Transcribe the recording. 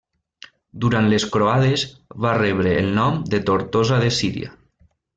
Durant les croades va rebre el nom de Tortosa de Síria.